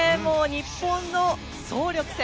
日本の総力戦。